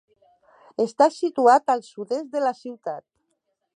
Està situat al sud-est de la ciutat.